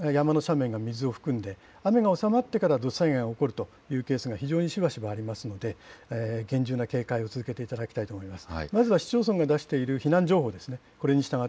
また土砂災害についても、雨が弱まってから、たくさん山の斜面が水を含んで、雨が収まってから土砂災害が起こるというケースが非常にしばしばありますので、厳重な警戒を続けていただきたいと思います。